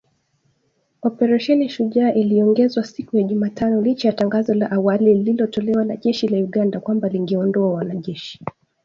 Operesheni Shujaa iliongezwa siku ya Jumatano licha ya tangazo la awali lililotolewa na jeshi la Uganda kwamba lingeondoa wanajeshi